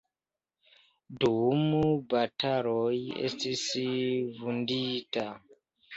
Dum bataloj estis vundita.